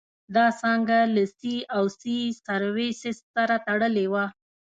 دا څانګه له سي او سي سرویسس سره تړلې وه.